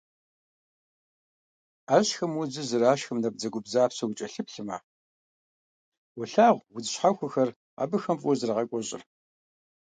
Ӏэщхэм удзыр, зэрашхым набдзэгубдзаплъэу укӀэлъыплъмэ, уолъагъу удз щхьэхуэхэр абыхэм фӀыуэ зэрагъэкӀуэщӀыр.